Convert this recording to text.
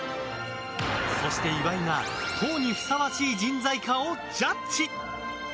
そして岩井が党にふさわしい人材かをジャッジ。